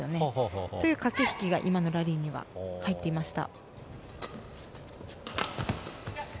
そういう駆け引きが今のラリーには入っていました。